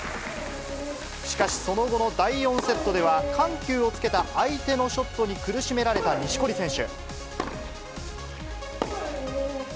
しかしその後の第４セットでは、緩急をつけた相手のショットに苦しめられた錦織選手。